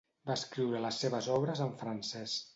Va escriure les seves obres en francès.